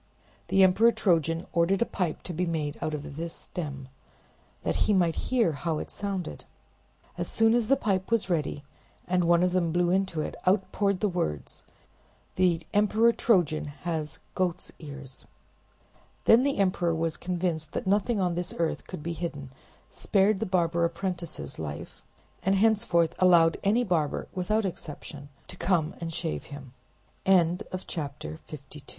The Emperor Trojan ordered a pipe to be made out of this stem, that he might hear how it sounded. As soon as the pipe was ready, and one of them blew into it, out poured the words: "The Emperor Trojan has goat's ears!" Then the emperor was convinced that nothing on this earth could be hidden, spared the barber apprentices life, and henceforth allowed any barber, without exception, to come and shave him. THE MAI